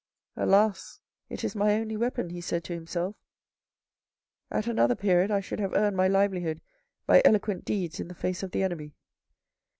" Alas, it is my only weapon," he said to himself. " At another period I should have earned my livelihood by eloquent deeds in the face of the enemy."